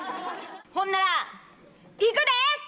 ほんならいくで！